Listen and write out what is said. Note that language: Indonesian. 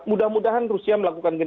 mudah mudahan rusia melakukan